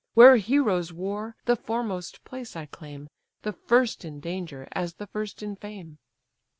Where heroes war, the foremost place I claim, The first in danger as the first in fame."